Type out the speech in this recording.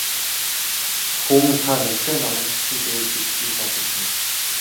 Хүү минь та нүглээ наманчилсан нь дээр гэж би бодож байна.